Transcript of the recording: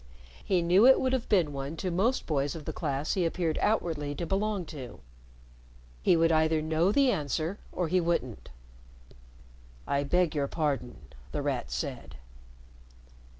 He knew it would have been one to most boys of the class he appeared outwardly to belong to. He would either know the answer or he wouldn't. "I beg your pardon," The Rat said.